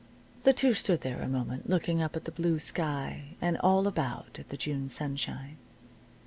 The two stood there a moment, looking up at the blue sky, and all about at the June sunshine.